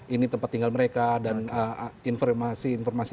ini tempat tinggal mereka dan informasi informasi